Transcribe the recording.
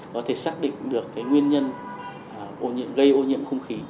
có thể xác định được cái nguyên nhân gây ô nhiễm không khí